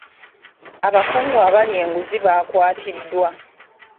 Abakungu abalya enguzi baakwatiddwa.